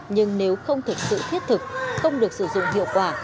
nhưng nếu không thực sự thiết thực không được sử dụng hiệu quả